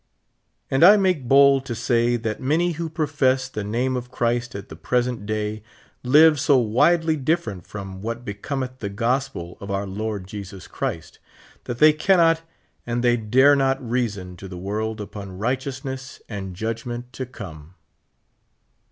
And I make bold to say that maiiy who profess, the name of Christ at the present day, live so widely different from what becometh the gospel of our Lord Jesus Christ, that they cannot and they dare not reason to the world upon righteousness and judgment to come.